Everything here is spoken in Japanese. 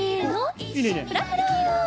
フラフラ！